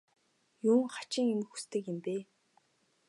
Юун хачин юм хүсдэг юм бэ?